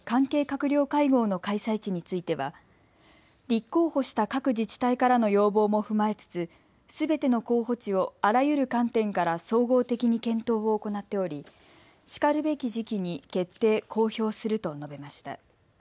立候補した各自治体からの要望も踏まえつつすべての候補地をあらゆる観点から総合的に検討を行っており、しかるべき時期に決定・公表すると述べました。